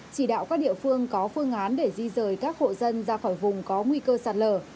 chỉ đạo các địa phương có phương án để di rời các hộ dân ra khỏi vùng có nguy cơ sạt lở